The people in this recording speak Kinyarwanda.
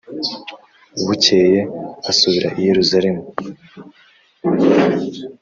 Bukeye asubira i Yerusalemu